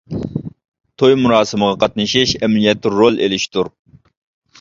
توي مۇراسىمىغا قاتنىشىش ئەمەلىيەتتە رول ئېلىشتۇر.